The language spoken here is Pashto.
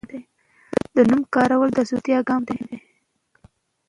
د نوم کارول د زړورتیا ګام و.